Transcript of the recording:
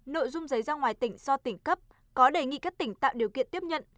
nội dung giấy ra ngoài tỉnh do tỉnh cấp có đề nghị các tỉnh tạo điều kiện tiếp nhận